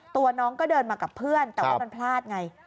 ตัวน้องก็เดินมากับเพื่อนแต่ว่ามันพลาดไง